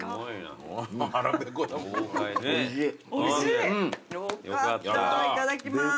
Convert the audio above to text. いただきます。